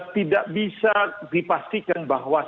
tidak bisa dipastikan bahwa